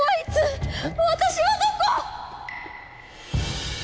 私はどこ！？